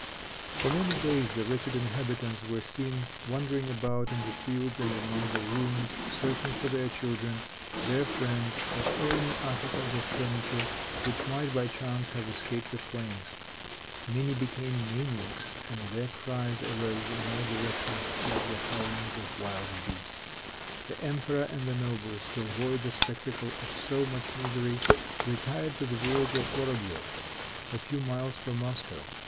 For many days the wretched inhabitants were seen wandering about, in the fields and among the ruins, searching for their children, their friends or any articles of furniture which might, by chance, have escaped the flames. Many became maniacs, and their cries arose in all directions like the howlings of wild beasts. The emperor and the nobles, to avoid the spectacle of so much misery, retired to the village of Vorobeif, a few miles from Moscow.